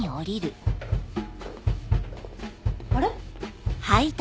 あれ？